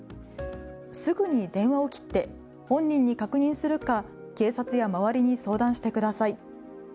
すぐに電話を切って本人に確認するか警察や周りに相談してください。